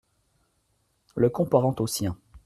Le comparant au sien.